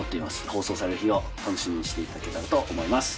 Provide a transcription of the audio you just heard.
放送される日を楽しみにしていただけたらと思います。